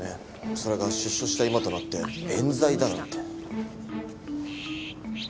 それが出所した今となって冤罪だなんて。